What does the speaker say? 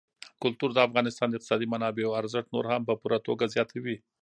کلتور د افغانستان د اقتصادي منابعو ارزښت نور هم په پوره توګه زیاتوي.